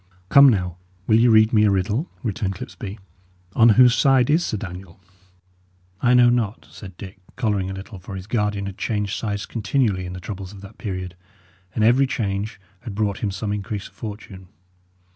"Come, now, will ye read me a riddle?" returned Clipsby. "On whose side is Sir Daniel?" "I know not," said Dick, colouring a little; for his guardian had changed sides continually in the troubles of that period, and every change had brought him some increase of fortune.